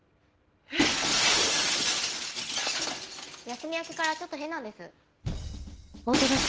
休み明けからちょっと変なんです。